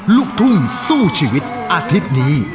ลูกทุ่งสู้ชีวิตอาทิตย์นี้